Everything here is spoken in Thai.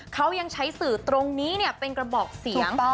เขายังใช้สื่อตรงนี้เป็นกระบอกเสียง